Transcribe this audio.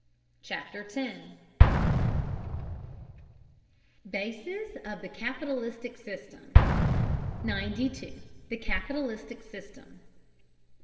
CHAPTER X BASES OF THE CAPITALISTIC SYSTEM 92. THE "CAPITALISTIC SYSTEM."